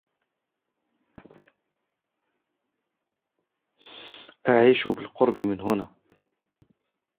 أعيش بالقرب من هنا.